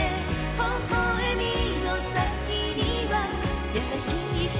微笑みの先にはやさしい瞳